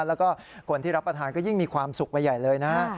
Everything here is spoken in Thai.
แล้วก็คนที่รับประทานก็ยิ่งมีความสุขไปใหญ่เลยนะ